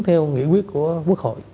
theo nghĩa quyết của quốc hội